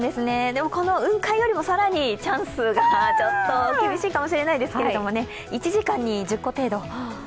この雲海よりも更にチャンスがちょっと厳しいかもしれないですけれども、１時間に１０個程度。